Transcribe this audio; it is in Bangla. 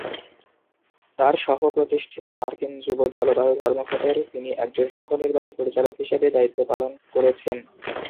তার সহ-প্রতিষ্ঠিত মার্কিন যুব জলবায়ু ধর্মঘটের তিনি একজন সহ-নির্বাহী পরিচালক হিসাবে দায়িত্ব পালন করেছেন।